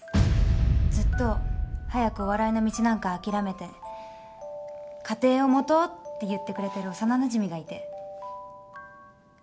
ずっと早くお笑いの道なんか諦めて家庭を持とうって言ってくれてる幼なじみがいて。